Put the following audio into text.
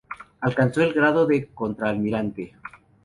Alcanzó el grado de contraalmirante.